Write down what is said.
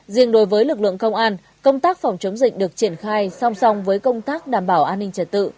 riêng đối với lực lượng công an công tác phòng chống dịch được triển khai song song với công tác đảm bảo an ninh trật tự